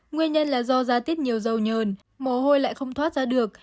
nguyên nhân là do ra tiết nhiều dầu nhờn mồ hôi lại không thoát ra được